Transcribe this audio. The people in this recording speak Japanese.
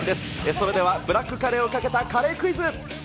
それではブラックカレーをかけたカレークイズ。